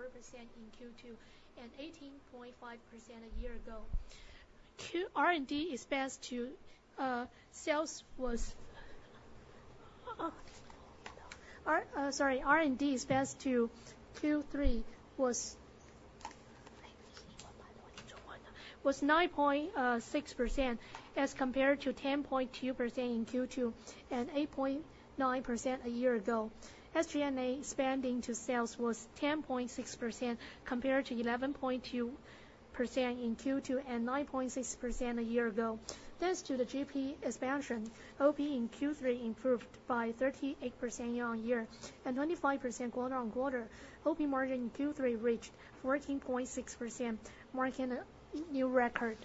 4% in Q2 and 18.5% a year ago. R&D as % of sales in Q3 was, I think, 9.6% as compared to 10.2% in Q2 and 8.9% a year ago. SG&A spending to sales was 10.6% compared to 11.2% in Q2 and 9.6% a year ago. Thanks to the GP expansion, OP in Q3 improved by 38% year-on-year and 25% quarter-on-quarter. OP margin in Q3 reached 14.6%, marking a new record.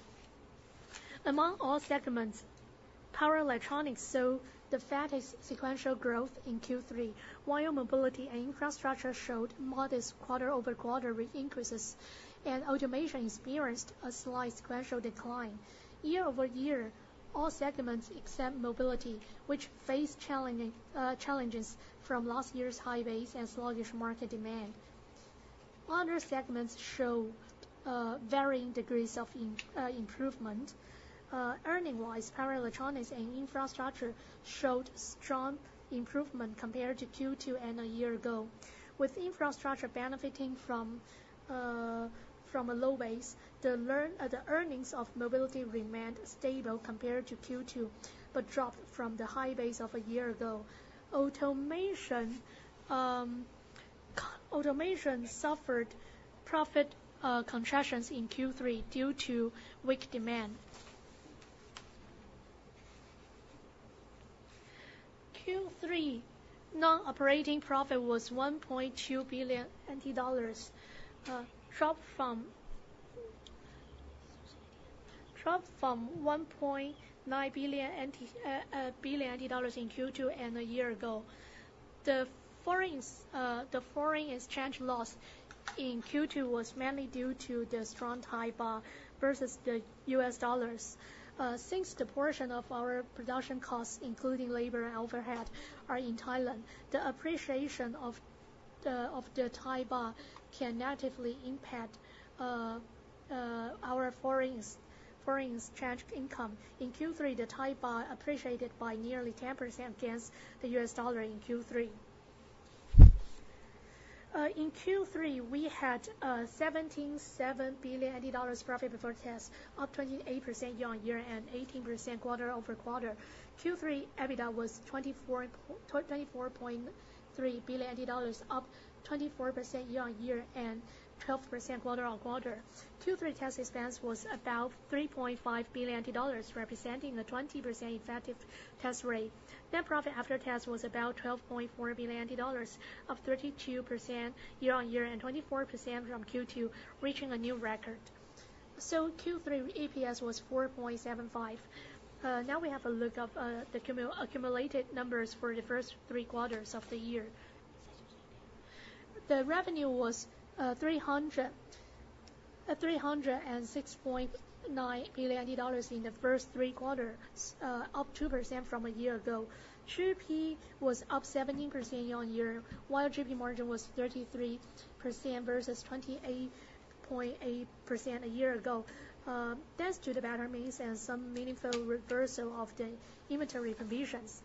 Among all segments, power electronics saw the fastest sequential growth in Q3, while mobility and infrastructure showed modest quarter-over-quarter increases, and automation experienced a slight sequential decline. Year-over-year, all segments except mobility, which faced challenges from last year's high base and sluggish market demand. Other segments show varying degrees of improvement. Earnings-wise, power electronics and infrastructure showed strong improvement compared to Q2 and a year ago. With infrastructure benefiting from a low base, the earnings of mobility remained stable compared to Q2 but dropped from the high base of a year ago. Automation suffered profit contractions in Q3 due to weak demand. Q3 non-operating profit was 1.2 billion NT dollars, dropped from 1.9 billion NT dollars in Q2 and a year ago. The foreign exchange loss in Q2 was mainly due to the strong Thai Baht versus the U.S. dollars. Since the portion of our production costs, including labor and overhead, are in Thailand, the appreciation of the Thai Baht can negatively impact our foreign exchange income. In Q3, the Thai Baht appreciated by nearly 10% against the U.S. dollar. In Q3, we had 17.7 billion NT dollars profit before tax, up 28% year-on-year and 18% quarter-over-quarter. Q3 EBITDA was 24.2-24.3 billion dollars, up 24% year-on-year and 12% quarter-on-quarter. Q3 tax expense was about 3.5 billion dollars, representing a 20% effective tax rate. Net profit after tax was about 12.4 billion dollars, up 32% year-on-year and 24% from Q2, reaching a new record. So Q3 EPS was 4.75. Now we have a look at the accumulated numbers for the first three quarters of the year. The revenue was 306.9 billion dollars in the first three quarters, up 2% from a year ago. GP was up 17% year-on-year, while GP margin was 33% versus 28.8% a year ago, thanks to the better mix and some meaningful reversal of the inventory provisions.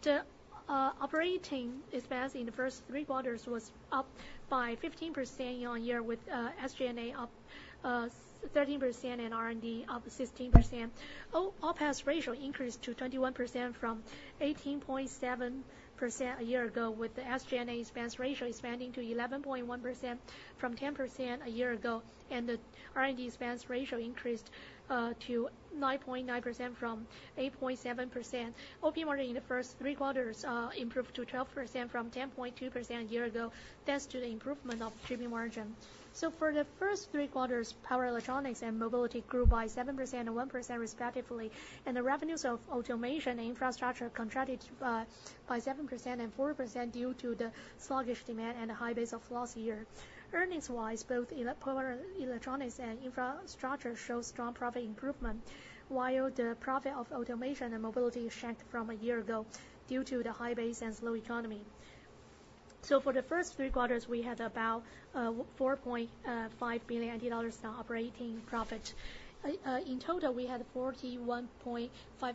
The operating expense in the first three quarters was up by 15% year-on-year, with SG&A up 13% and R&D up 16%. OpEx ratio increased to 21% from 18.7% a year ago, with the SG&A expense ratio expanding to 11.1% from 10% a year ago, and the R&D expense ratio increased to 9.9% from 8.7%. OP margin in the first three quarters improved to 12% from 10.2% a year ago, thanks to the improvement of GP margin. For the first three quarters, power electronics and mobility grew by 7% and 1% respectively, and the revenues of automation and infrastructure contracted by 7% and 4% due to the sluggish demand and the high base of last year. Earnings-wise, both electronics and infrastructure show strong profit improvement, while the profit of automation and mobility shrank from a year ago due to the high base and slow economy. For the first three quarters, we had about 4.5 billion NT dollars non-operating profit. In total, we had NT$ 41.5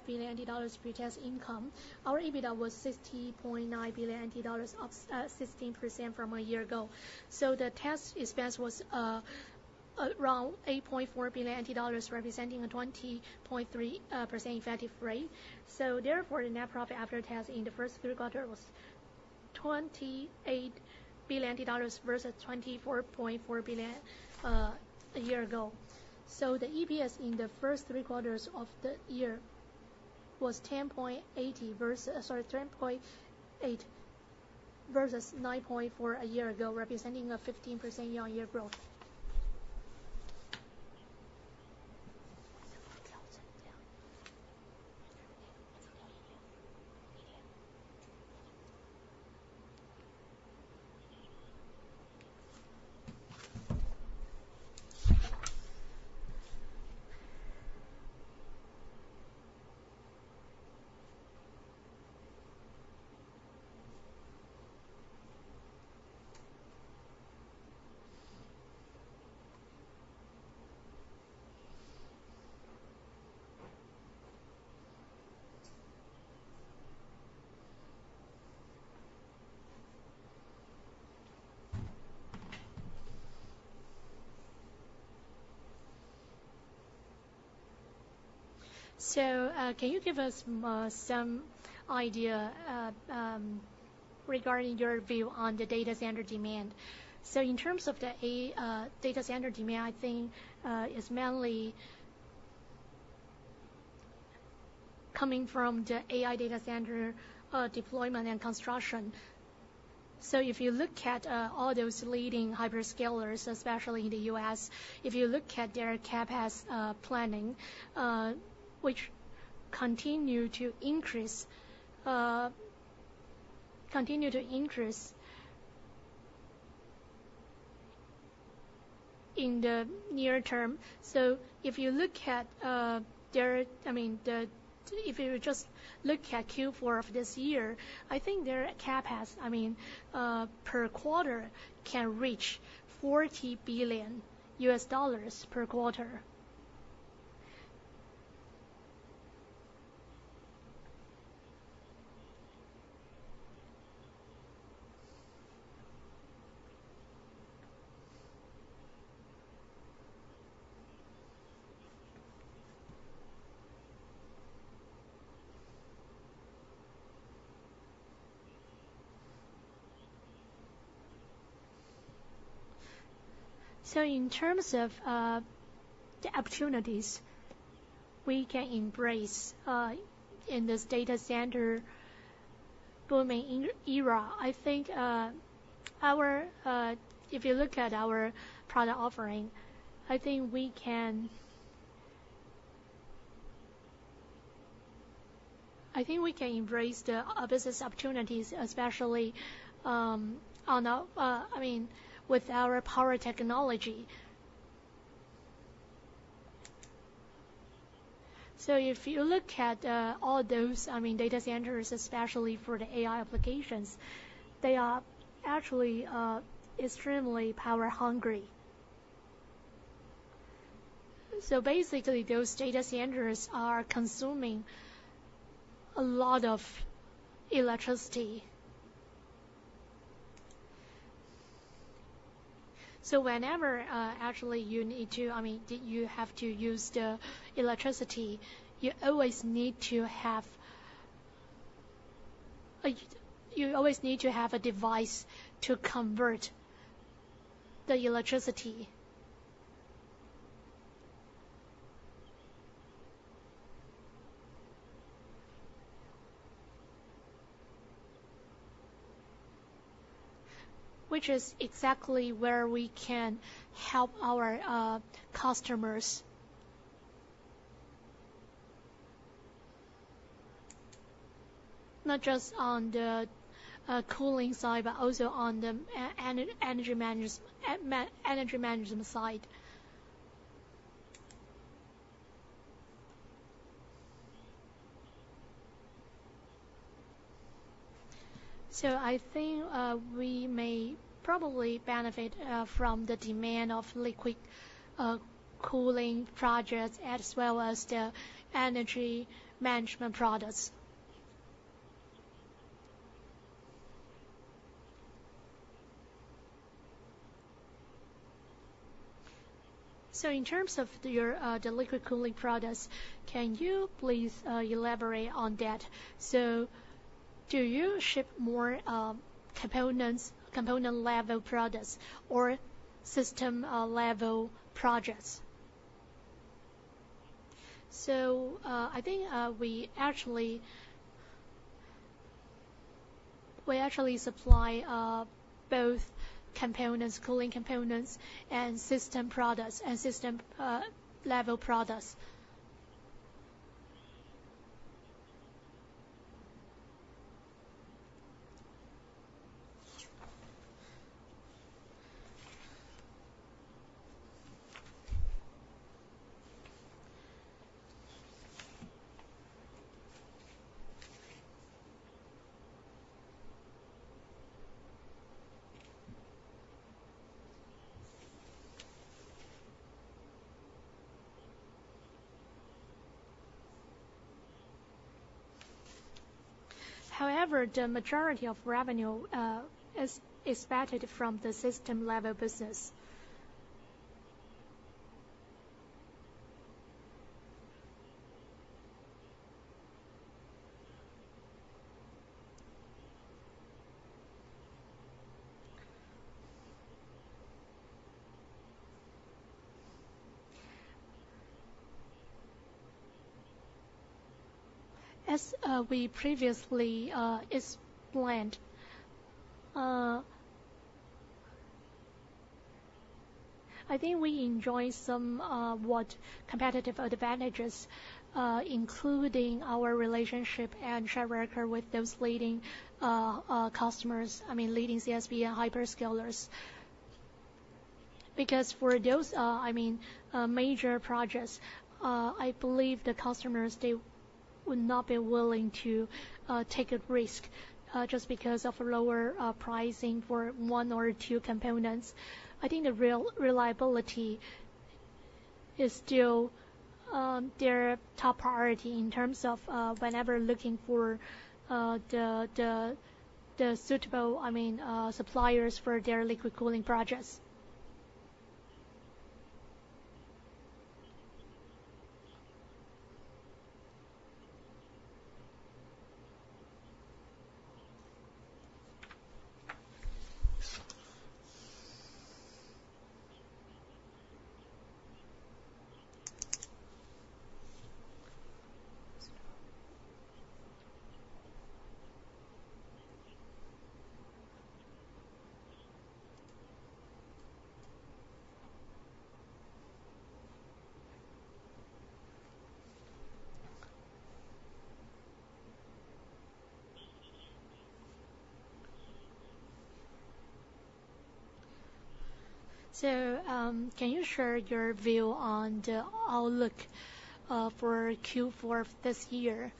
billion pre-tax income. Our EBITDA was NT$ 60.9 billion, up 16% from a year ago. So the tax expense was around NT$ 8.4 billion, representing a 20.3% effective tax rate. So therefore, the net profit after tax in the first three quarters was NT$ 28 billion versus NT$ 24.4 billion a year ago. So the EPS in the first three quarters of the year was 10.80 versus, sorry, 10.8 vs. 9.4 a year ago, representing a 15% year-on-year growth. So, can you give us some idea regarding your view on the data center demand? In terms of the AI data center demand, I think, is mainly coming from the AI data center deployment and construction. If you look at all those leading hyperscalers, especially in the U.S., if you look at their CapEx planning, which continues to increase, continues to increase in the near term. If you just look at Q4 of this year, I think their CapEx, I mean, per quarter can reach $40 billion per quarter. In terms of the opportunities we can embrace in this data center booming era, I think, if you look at our product offering, I think we can, I think we can embrace the business opportunities, especially, on our, I mean, with our power technology. So if you look at all those, I mean, data centers, especially for the AI applications, they are actually extremely power-hungry. So basically, those data centers are consuming a lot of electricity. So whenever, actually, you need to, I mean, use the electricity, you always need to have a device to convert the electricity, which is exactly where we can help our customers, not just on the cooling side, but also on the energy management side. So I think we may probably benefit from the demand of liquid cooling projects as well as the energy management products. So in terms of the liquid cooling products, can you please elaborate on that? So do you ship more component-level products or system-level projects? I think we actually supply both components, cooling components, and system products and system-level products. However, the majority of revenue is sourced from the system-level business. As we previously explained, I think we enjoy some competitive advantages, including our relationship and track record with those leading customers, I mean, leading CSP and hyperscalers, because for those, I mean, major projects, I believe the customers they would not be willing to take a risk just because of lower pricing for one or two components. I think the real reliability is still their top priority in terms of whenever looking for the suitable, I mean, suppliers for their liquid cooling projects. Can you share your view on the outlook for Q4 of this year?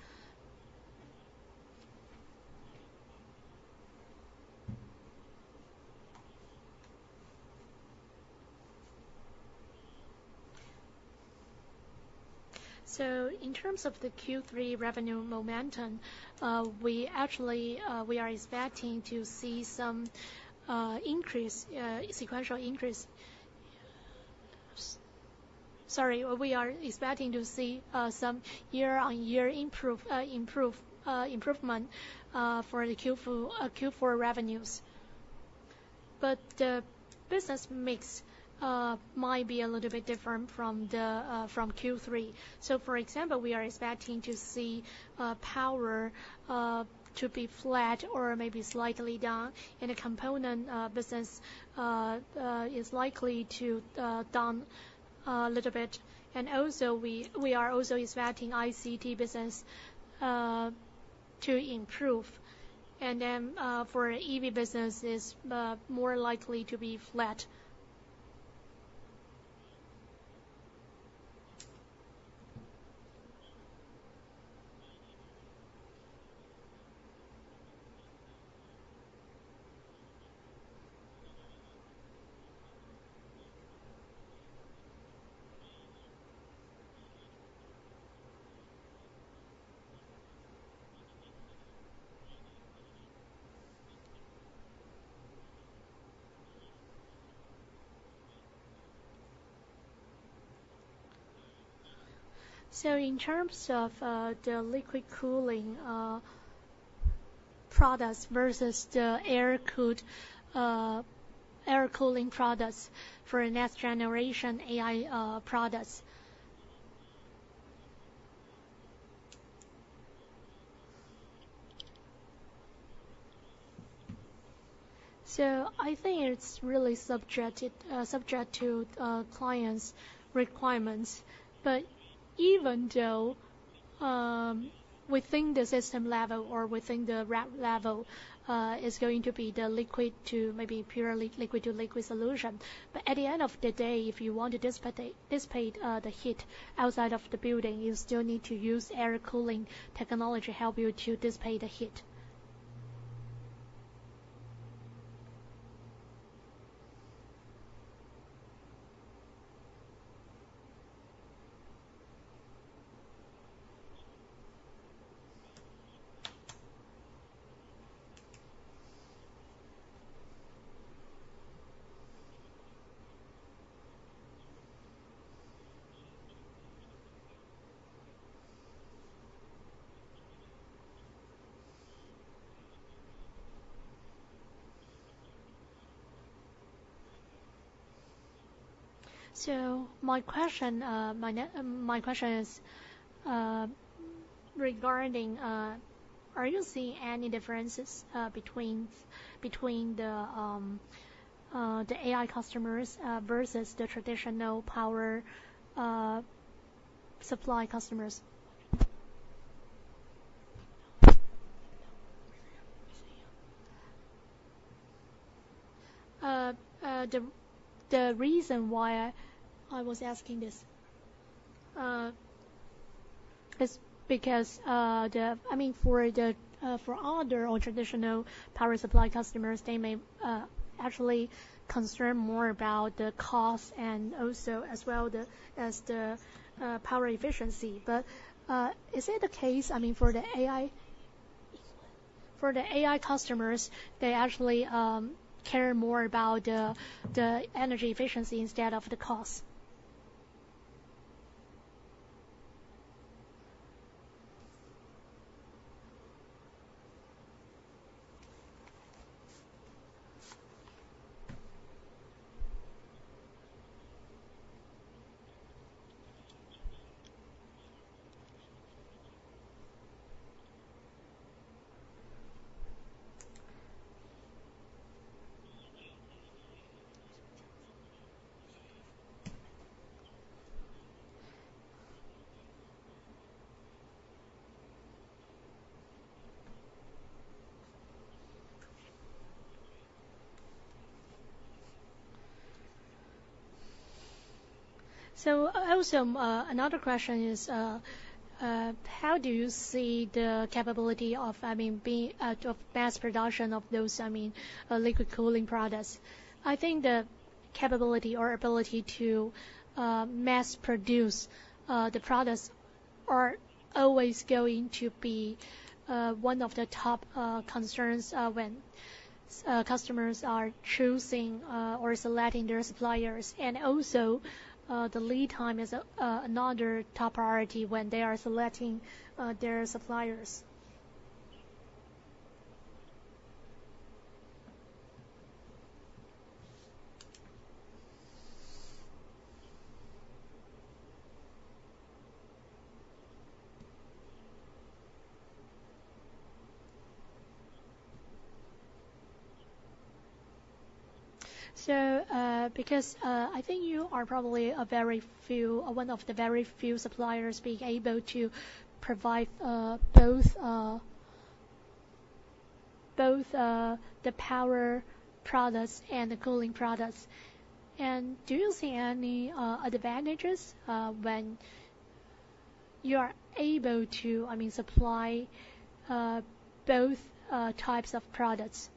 In terms of the Q3 revenue momentum, we actually are expecting to see some sequential increase. Sorry, we are expecting to see some year-on-year improvement for the Q4 revenues. But the business mix might be a little bit different from Q3. So for example, we are expecting to see power to be flat or maybe slightly down, and the component business is likely to be down a little bit. And also, we are also expecting ICT business to improve. And then, for EV business, it's more likely to be flat. So in terms of the liquid cooling products versus the air-cooling products for next generation AI products. So I think it's really subject to clients' requirements. But even though, within the system level or within the rack level, it's going to be the liquid to maybe purely liquid to liquid solution. But at the end of the day, if you want to dissipate the heat outside of the building, you still need to use air-cooling technology to help you to dissipate the heat. So my question is, regarding, are you seeing any differences between the AI customers versus the traditional power supply customers? The reason why I was asking this is because, I mean, for other or traditional power supply customers, they may actually concern more about the cost and also as well as the power efficiency. But is it the case, I mean, for the AI customers, they actually care more about the energy efficiency instead of the cost? So also, another question is, how do you see the capability of mass production of those liquid cooling products? I think the capability or ability to mass produce the products are always going to be one of the top concerns when customers are choosing or selecting their suppliers. And also, the lead time is another top priority when they are selecting their suppliers. So, because I think you are probably one of the very few suppliers being able to provide both the power products and the cooling products. And do you see any advantages when you are able to, I mean, supply both types of products?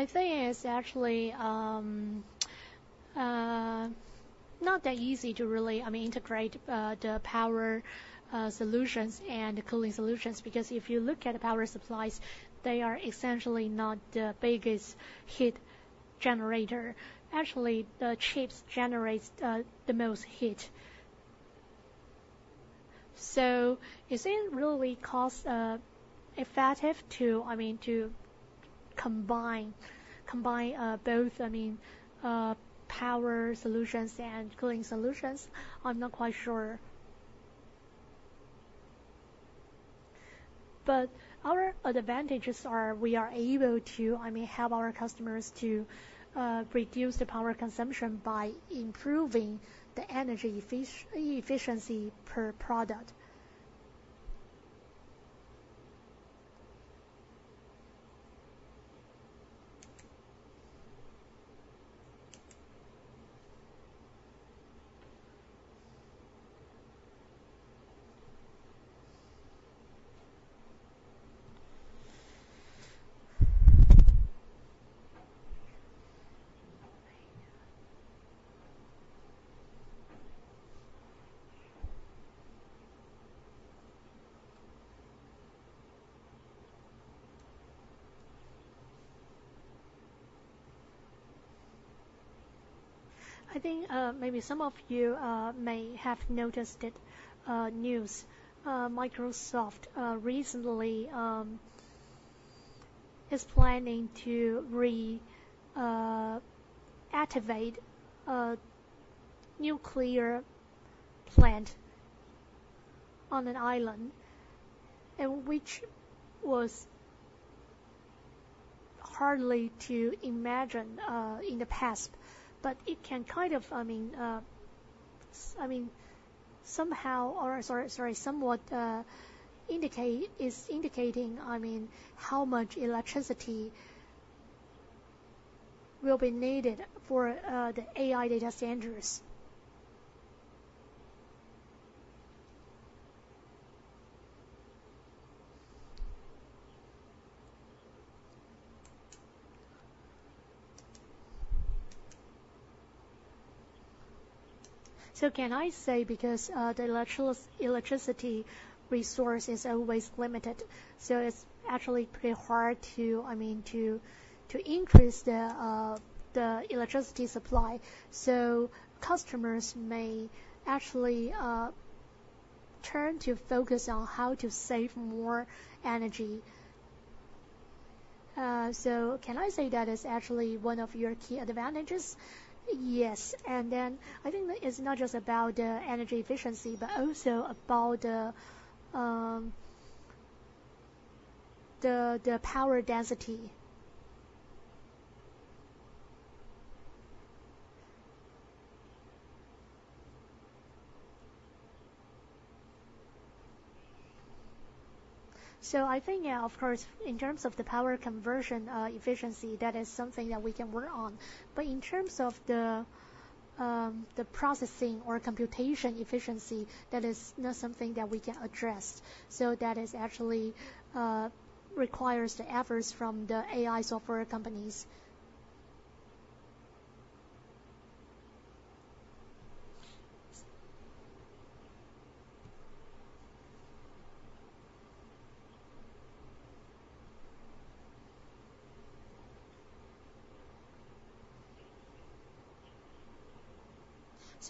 I think it's actually not that easy to really, I mean, integrate the power solutions and the cooling solutions, because if you look at the power supplies, they are essentially not the biggest heat generator. Actually, the chips generate the most heat. Is it really cost-effective to, I mean, to combine both, I mean, power solutions and cooling solutions? I'm not quite sure. But our advantages are we are able to, I mean, help our customers to reduce the power consumption by improving the energy efficiency per product. I think maybe some of you may have noticed the news. Microsoft recently is planning to reactivate a nuclear plant on an island, which was hard to imagine in the past. But it can kind of, I mean, somehow, or sorry, somewhat indicating, I mean, how much electricity will be needed for the AI data centers. Because the electricity resource is always limited, it's actually pretty hard to, I mean, to increase the electricity supply, so customers may actually turn to focus on how to save more energy. So can I say that is actually one of your key advantages? Yes. And then I think it's not just about the energy efficiency, but also about the power density. So I think, yeah, of course, in terms of the power conversion, efficiency, that is something that we can work on. But in terms of the processing or computation efficiency, that is not something that we can address. So that actually requires the efforts from the AI software companies.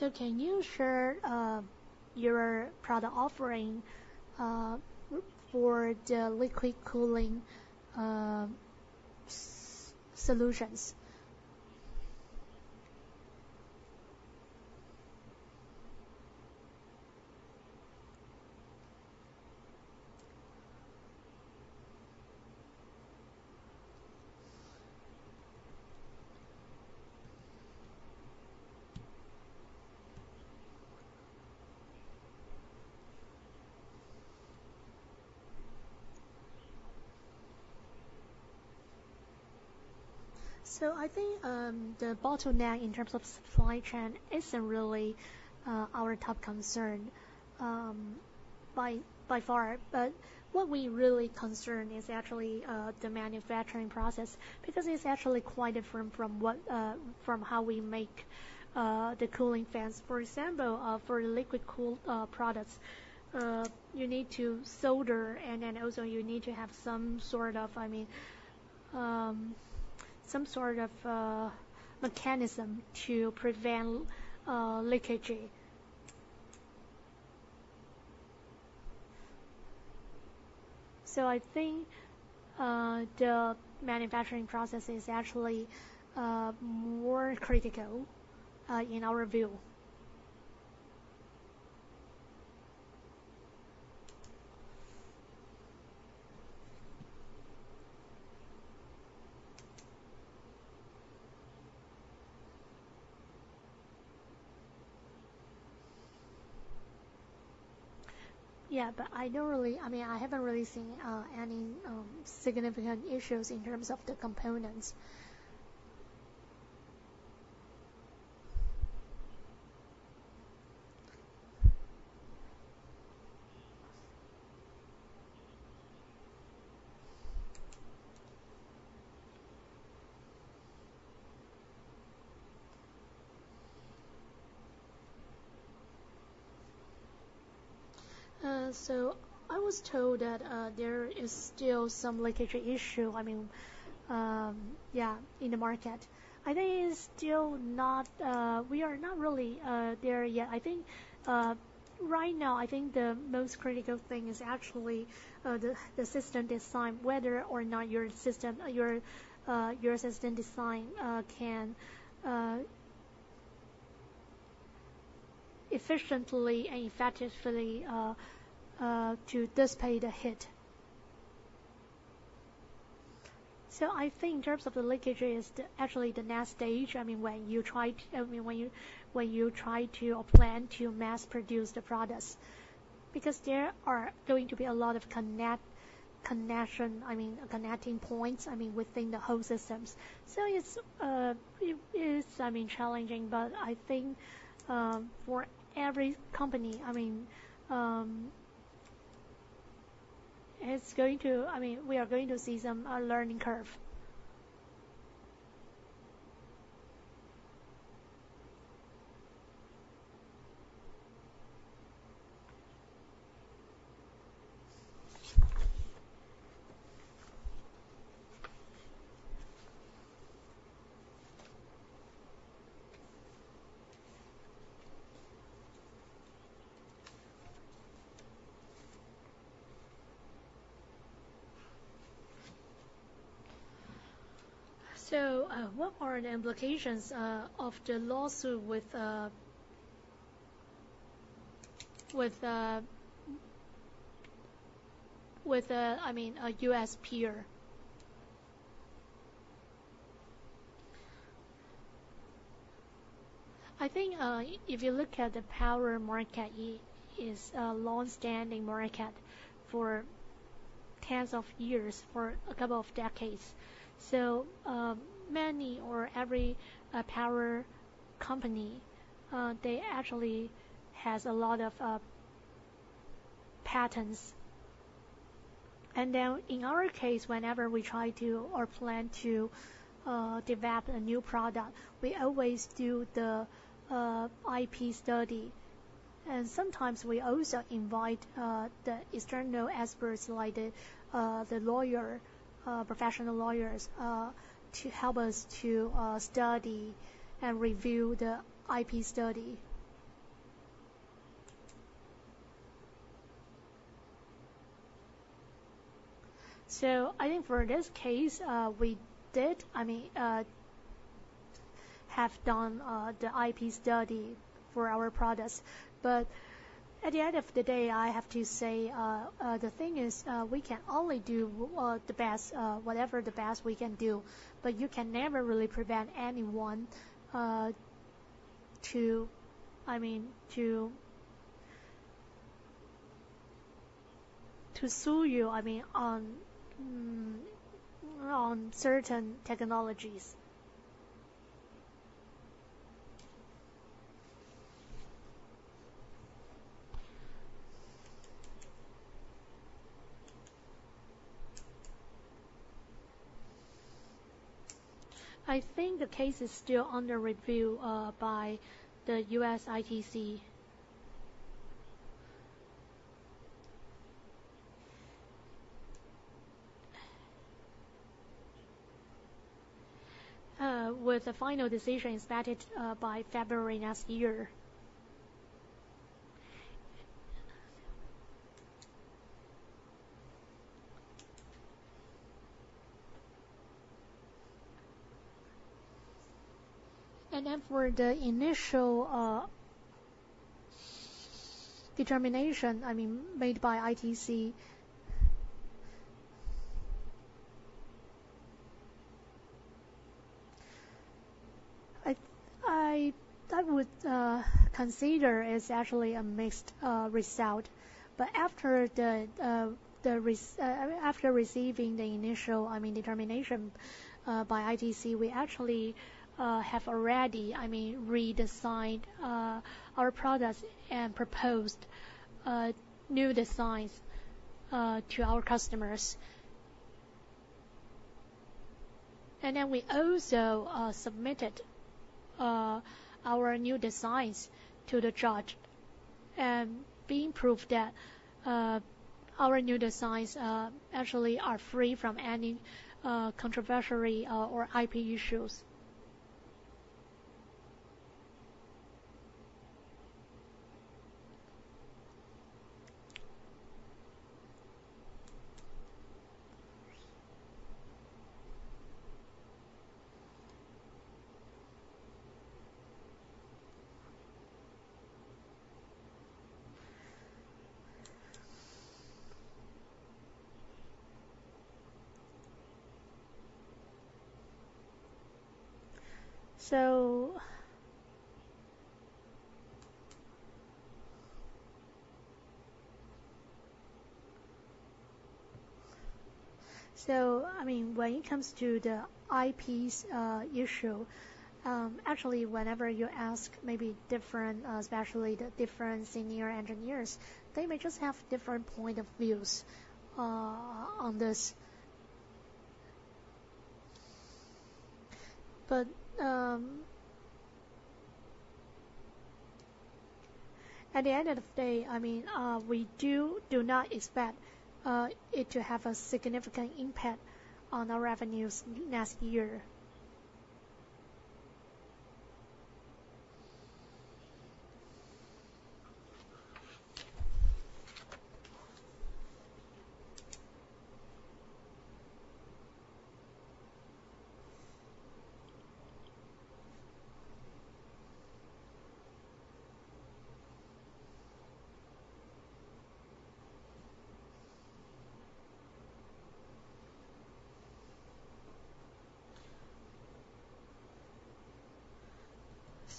So can you share your product offering for the liquid cooling solutions? So I think the bottleneck in terms of supply chain isn't really our top concern by far. But what we really concern is actually the manufacturing process, because it's actually quite different from how we make the cooling fans. For example, for the liquid cooling products, you need to solder, and then also you need to have some sort of, I mean, some sort of mechanism to prevent leakage. So I think the manufacturing process is actually more critical, in our view. Yeah, but I don't really, I mean, I haven't really seen any significant issues in terms of the components. So I was told that there is still some leakage issue, I mean, yeah, in the market. I think it's still not. We are not really there yet. I think, right now, I think the most critical thing is actually the system design, whether or not your system, your system design can efficiently and effectively to dissipate the heat. I think in terms of the leakage is actually the next stage. I mean, when you try to or plan to mass produce the products, because there are going to be a lot of connecting points, I mean, within the whole systems. It's challenging, but I think, for every company, I mean, we are going to see some learning curve. What are the implications of the lawsuit with, I mean, a U.S. peer? I think, if you look at the power market, it is a long-standing market for tens of years, for a couple of decades. Many or every power company, they actually has a lot of patents. In our case, whenever we try to or plan to develop a new product, we always do the IP study. Sometimes we also invite the external experts like the professional lawyers to help us to study and review the IP study. I think for this case, we did, I mean, have done the IP study for our products. At the end of the day, I have to say the thing is, we can only do the best, whatever the best we can do. You can never really prevent anyone to, I mean, to sue you, I mean on certain technologies. I think the case is still under review by the U.S. ITC, with the final decision is vetted by February next year. And then for the initial determination, I mean, made by ITC, I would consider is actually a mixed result. But after receiving the initial, I mean, determination by ITC, we actually have already, I mean, redesigned our products and proposed new designs to our customers. And then we also submitted our new designs to the judge and being proved that our new designs actually are free from any controversial or IP issues. So, I mean, when it comes to the IPs issue, actually whenever you ask maybe different, especially the different senior engineers, they may just have different point of views on this. But at the end of the day, I mean, we do not expect it to have a significant impact on our revenues next year.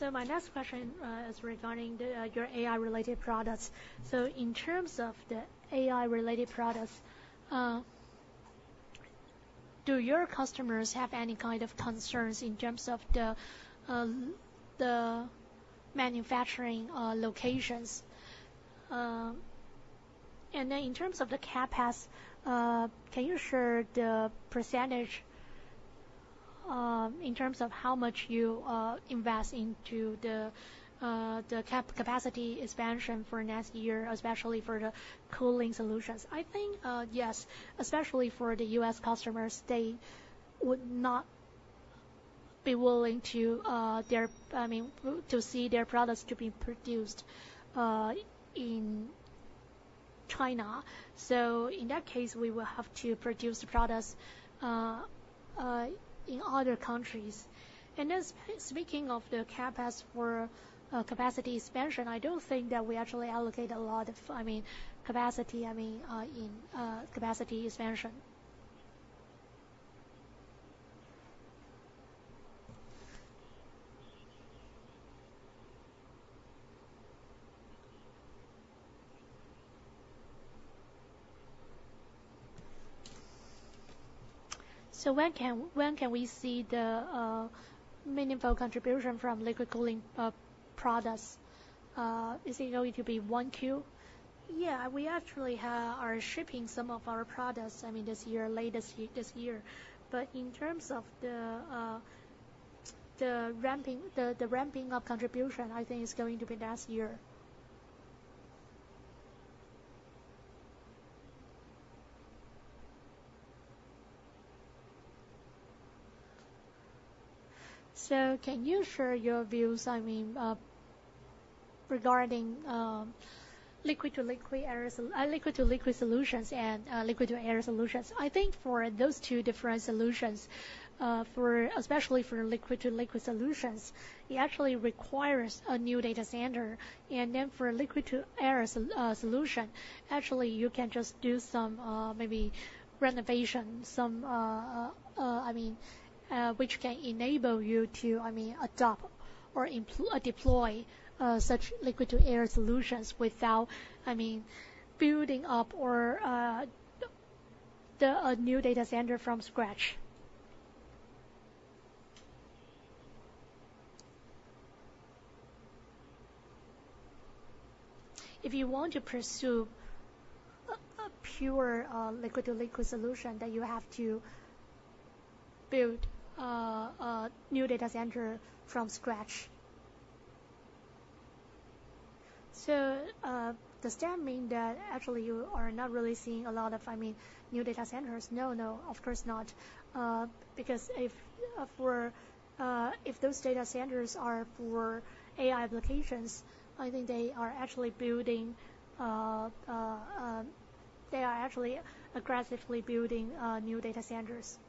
So my next question is regarding your AI-related products. So in terms of the AI-related products, do your customers have any kind of concerns in terms of the manufacturing locations? And then in terms of the CapEx, can you share the percentage in terms of how much you invest into the CapEx capacity expansion for next year, especially for the cooling solutions? I think yes, especially for the U.S. customers, they would not be willing to, I mean, to see their products to be produced in China. So in that case, we will have to produce the products in other countries. And then speaking of the CapEx for capacity expansion, I don't think that we actually allocate a lot of, I mean, capacity expansion. So when can we see the meaningful contribution from liquid cooling products? Is it going to be one Q? Yeah, we actually are shipping some of our products, I mean, this year, last year, this year. But in terms of the ramping of contribution, I think it's going to be next year, so can you share your views, I mean, regarding liquid-to-liquid solutions and liquid-to-air solutions? I think for those two different solutions, especially for liquid-to-liquid solutions, it actually requires a new data center, and then for liquid-to-air solution, actually you can just do some maybe renovation, some, I mean, which can enable you to, I mean, adopt or employ, deploy such liquid-to-air solutions without, I mean, building up or a new data center from scratch. If you want to pursue a pure liquid-to-liquid solution, then you have to build a new data center from scratch. So, does that mean that actually you are not really seeing a lot of, I mean, new data centers? No, no, of course not, because if those data centers are for AI applications, I think they are actually building, they are actually aggressively building new data centers.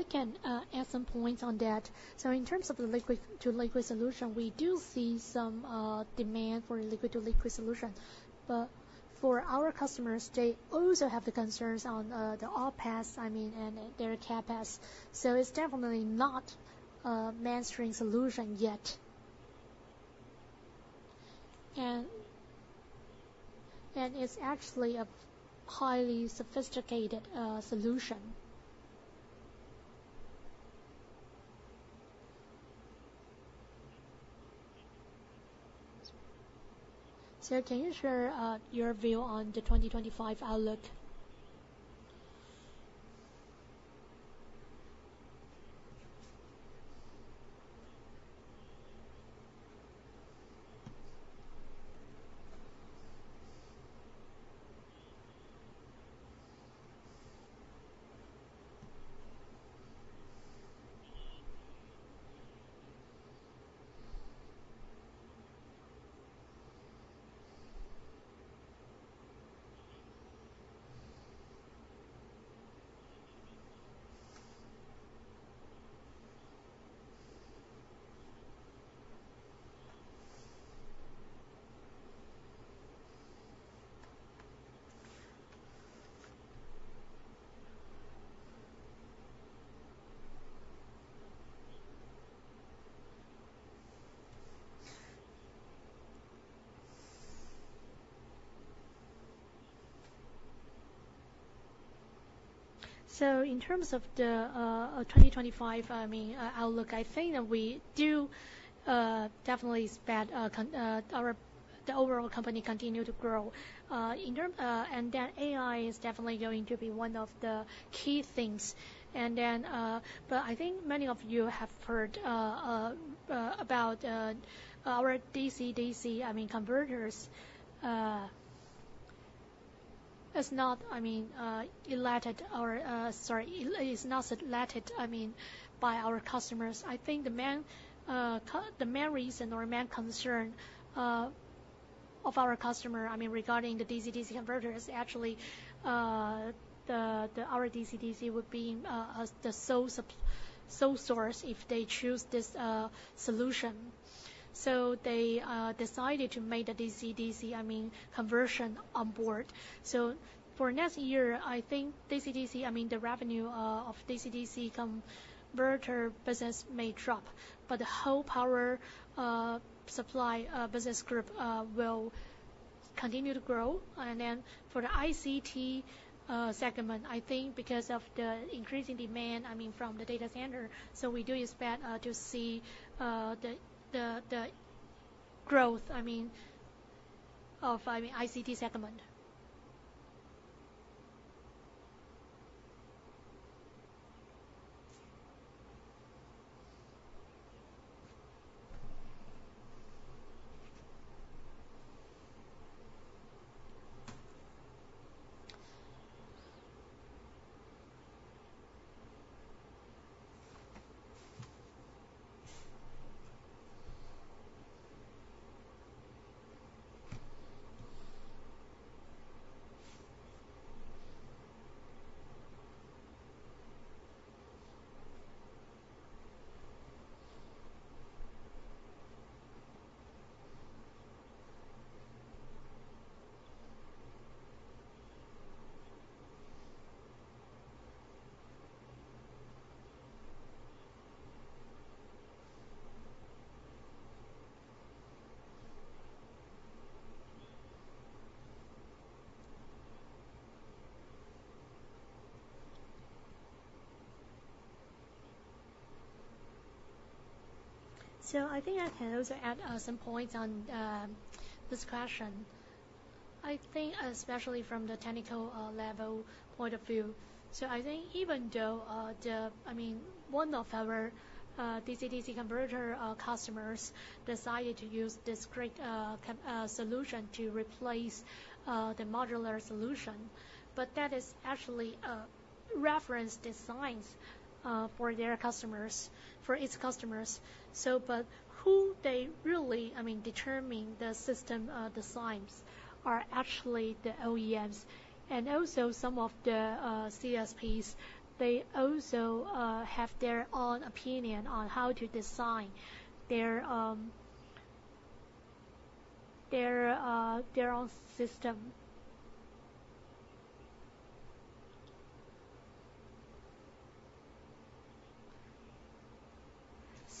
So I can add some points on that. So in terms of the liquid-to-liquid solution, we do see some demand for liquid-to-liquid solution. But for our customers, they also have the concerns on the OpEx, I mean, and their CapEx. So it is definitely not a mainstream solution yet. And it is actually a highly sophisticated solution. So can you share your view on the 2025 outlook? So in terms of the 2025 outlook, I mean, I think that we do definitely expect continued growth for the overall company. In term and then AI is definitely going to be one of the key things. But I think many of you have heard about our DC-DC, I mean, converters. It is not related, I mean, by our customers. I think the main reason or main concern of our customer, I mean, regarding the DC-DC converters, actually, our DC-DC would be the sole source if they choose this solution. So they decided to make the DC-DC, I mean, conversion on board. So for next year, I think DC-DC, I mean, the revenue of DC-DC converter business may drop. But the whole power supply business group will continue to grow. And then for the ICT segment, I think because of the increasing demand, I mean, from the data center, so we do expect to see the growth, I mean, of, I mean, ICT segment. So I think I can also add some points on this question. I think especially from the technical level point of view. So I think even though, I mean, one of our DC-DC converter customers decided to use this discrete solution to replace the modular solution. But that is actually a reference designs for their customers, for its customers. So but who they really, I mean, determine the system designs are actually the OEMs. And also some of the CSPs, they also have their own opinion on how to design their, their, their own system.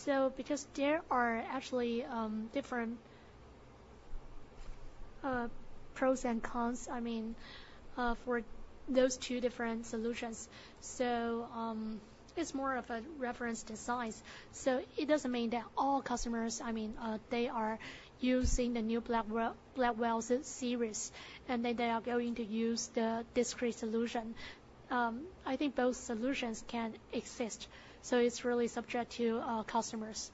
So because there are actually different pros and cons, I mean, for those two different solutions. It's more of a reference designs. So it doesn't mean that all customers, I mean, they are using the new Blackwell series, and then they are going to use the discrete solution. I think both solutions can exist. So it's really subject to customers.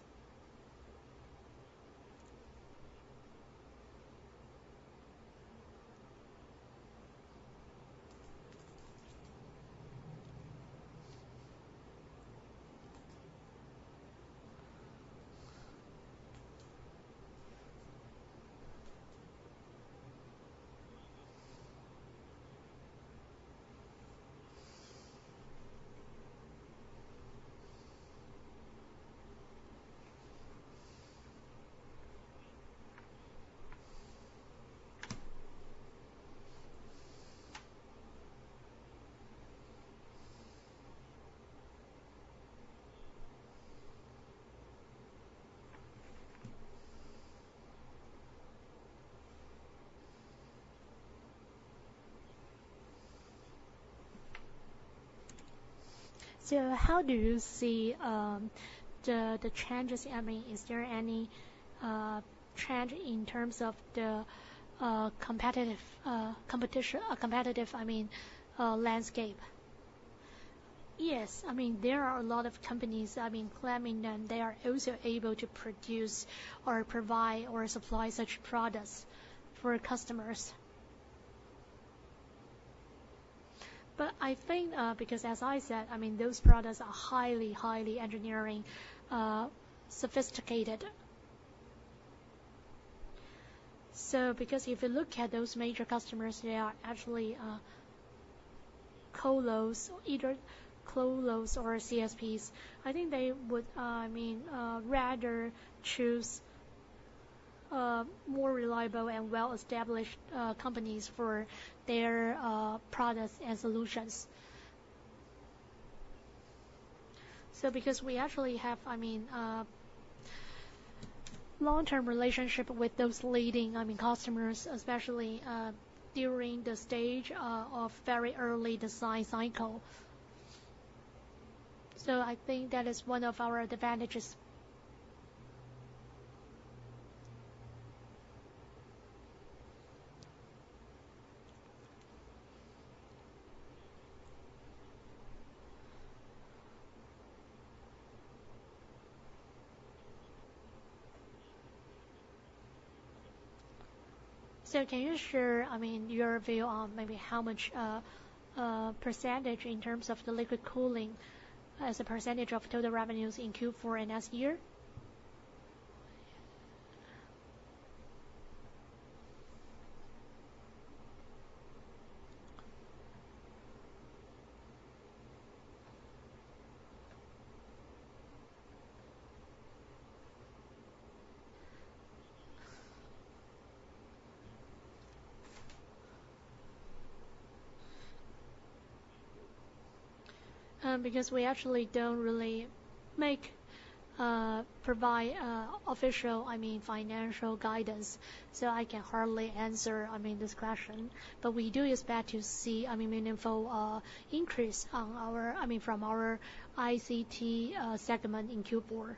So how do you see the changes? I mean, is there any change in terms of the competitive landscape? Yes. I mean, there are a lot of companies, I mean, claiming that they are also able to produce or provide or supply such products for customers. But I think, because as I said, I mean, those products are highly engineered, sophisticated. So because if you look at those major customers, they are actually colos, either colos or CSPs. I think they would, I mean, rather choose more reliable and well-established companies for their products and solutions. So because we actually have, I mean, long-term relationship with those leading, I mean, customers, especially during the stage of very early design cycle. So I think that is one of our advantages. So can you share, I mean, your view on maybe how much percentage in terms of the liquid cooling as a percentage of total revenues in Q4 and next year? Because we actually don't really make provide official, I mean, financial guidance. So I can hardly answer, I mean, this question. But we do expect to see, I mean, meaningful increase on our, I mean, from our ICT segment in Q4.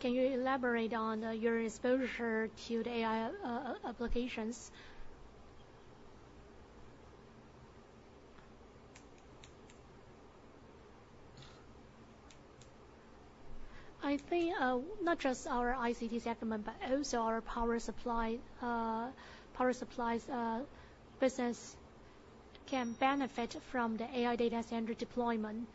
Can you elaborate on your exposure to the AI applications? I think not just our ICT segment, but also our power supply power supplies business can benefit from the AI data center deployment.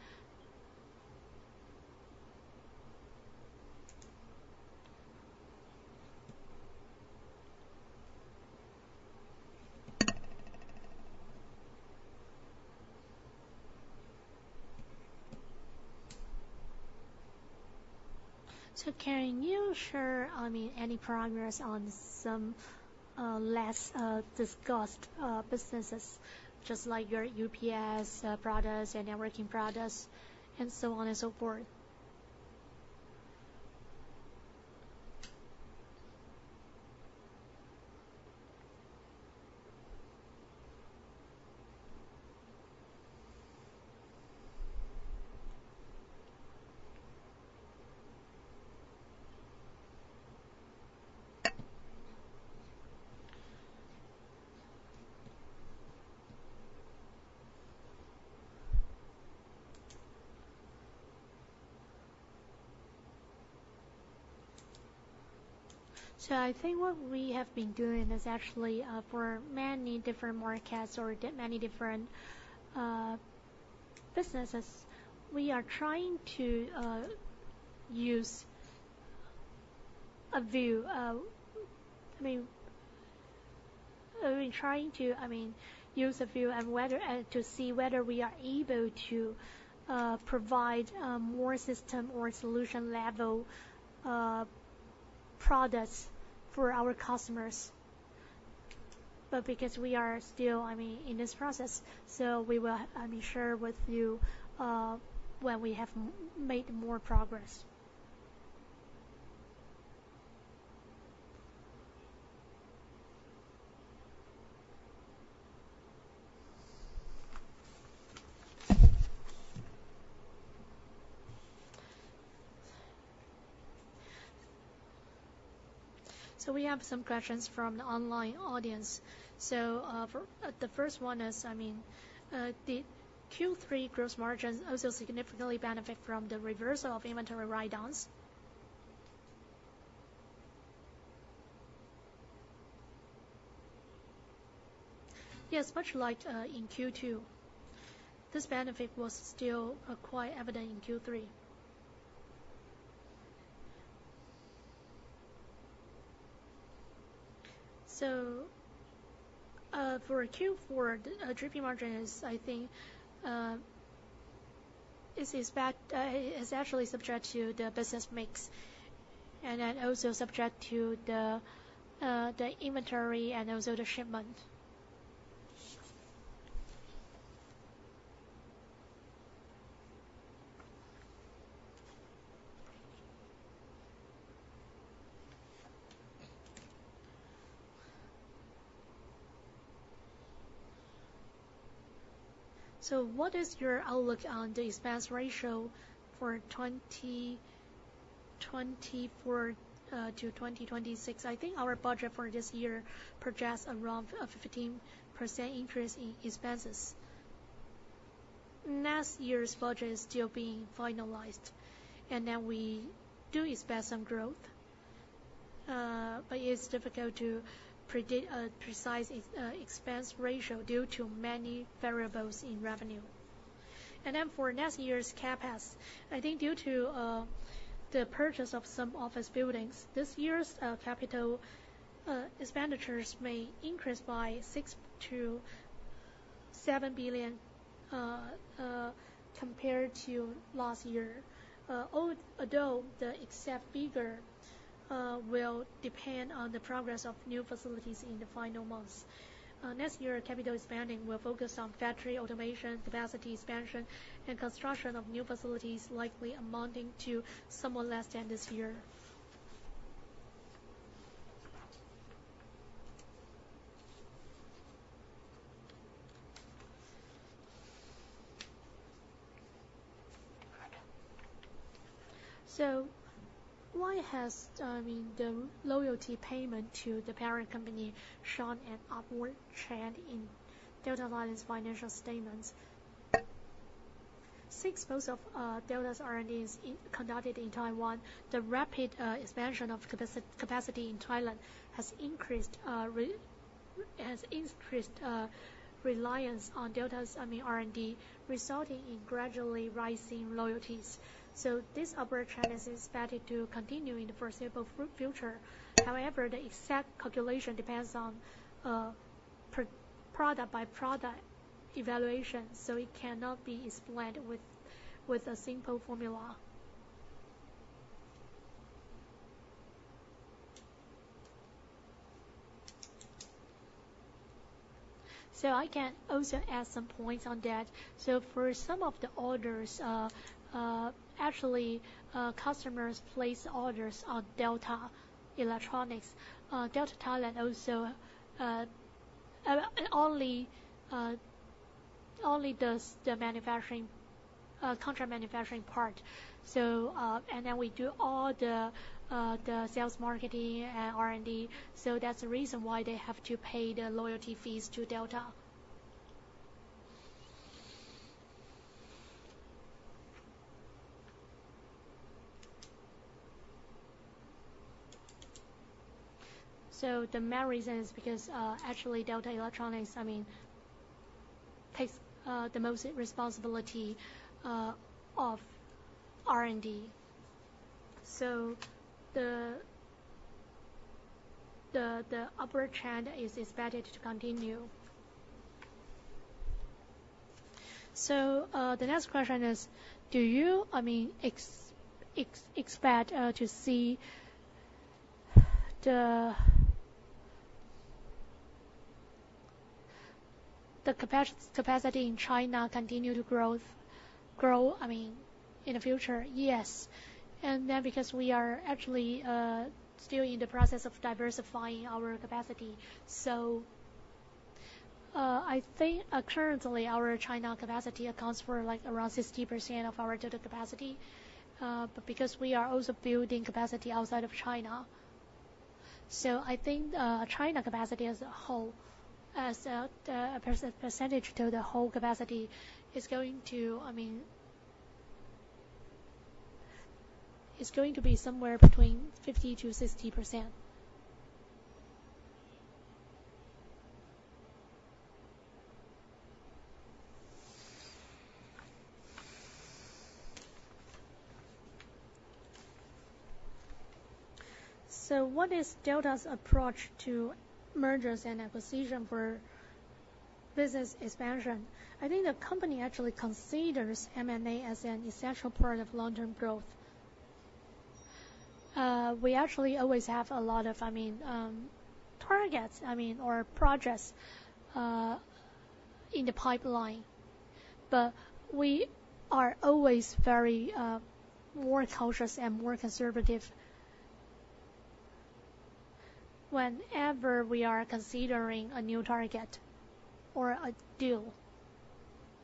So can you share, I mean, any parameters on some less discussed businesses, just like your UPS products, and networking products, and so on and so forth? So I think what we have been doing is actually, for many different markets or many different businesses, we are trying to review and to see whether we are able to provide more system or solution level products for our customers. But because we are still, I mean, in this process, so we will, I mean, share with you when we have made more progress. So we have some questions from the online audience. For the first one is, I mean, did Q3 gross margins also significantly benefit from the reversal of inventory write-downs? Yes, much like in Q2. This benefit was still quite evident in Q3. So, for Q4, the gross margins, I think, is expected, actually subject to the business mix. And then also subject to the inventory and also the shipment. So what is your outlook on the expense ratio for 2024 to 2026? I think our budget for this year projects around a 15% increase in expenses. Next year's budget is still being finalized. And then we do expect some growth. But it's difficult to predict precise expense ratio due to many variables in revenue. And then for next year's CapEx, I think due to the purchase of some office buildings, this year's capital expenditures may increase by NT$6 billion-NT$7 billion, compared to last year. Although the expected figure will depend on the progress of new facilities in the final months. Next year, capital expansion will focus on factory automation, capacity expansion, and construction of new facilities likely amounting to somewhat less than this year. So why has, I mean, the royalty payment to the parent company shown an upward trend in Delta Thailand financial statements? Since most of Delta's R&D is conducted in Taiwan, the rapid expansion of capacity in Thailand has increased reliance on Delta's, I mean, R&D, resulting in gradually rising royalties. So this upward trend is expected to continue in the foreseeable future. However, the exact calculation depends on per product-by-product evaluation, so it cannot be explained with a simple formula. So I can also add some points on that. So for some of the orders, actually, customers place orders on Delta Electronics. Delta Thailand also only does the manufacturing, contract manufacturing part. And then we do all the sales marketing and R&D. That's the reason why they have to pay the royalty fees to Delta. The main reason is because, actually, Delta Electronics, I mean, takes the most responsibility of R&D. The upward trend is expected to continue. The next question is, do you, I mean, expect to see the capacity in China continue to grow, I mean, in the future? Yes. And then because we are actually still in the process of diversifying our capacity. So, I think, currently, our China capacity accounts for like around 60% of our total capacity. But because we are also building capacity outside of China. So I think, China capacity as a whole, as a percentage to the whole capacity is going to, I mean, be somewhere between 50%-60%. So what is Delta's approach to mergers and acquisitions for business expansion? I think the company actually considers M&A as an essential part of long-term growth. We actually always have a lot of, I mean, targets, I mean, or projects, in the pipeline. But we are always very, more cautious and more conservative whenever we are considering a new target or a deal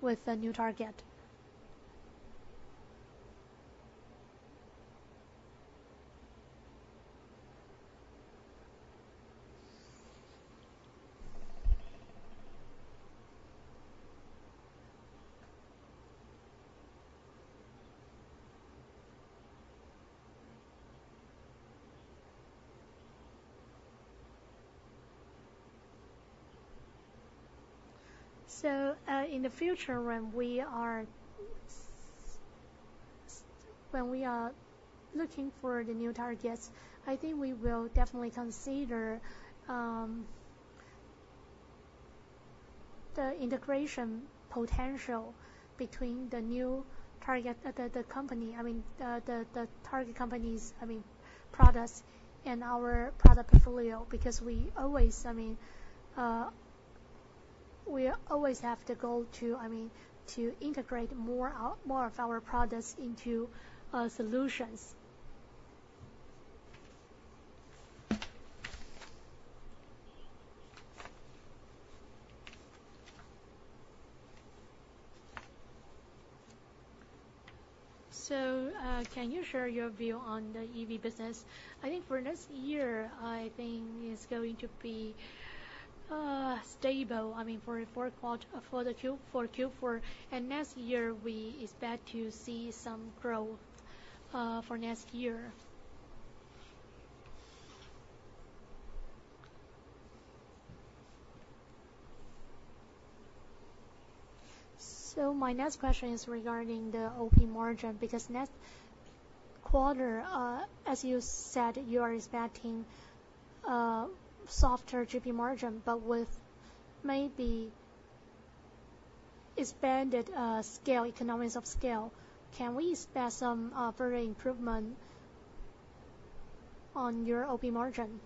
with a new target. So, in the future, when we are looking for the new targets, I think we will definitely consider the integration potential between the new target, the company, I mean, the target company's products and our product portfolio because we always, I mean, we always have to go to, I mean, to integrate more of our products into solutions. So, can you share your view on the EV business? I think for next year, I think it's going to be stable. I mean, for Q4. And next year, we expect to see some growth for next year. So my next question is regarding the OP margin because next quarter, as you said, you are expecting softer gross margin, but with maybe expanded economies of scale. Can we expect some further improvement on your OP margin?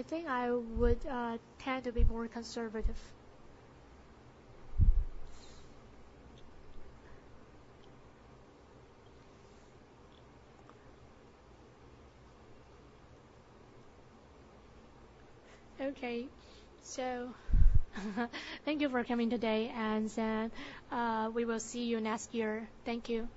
I think I would tend to be more conservative. Okay. So thank you for coming today. And we will see you next year. Thank you.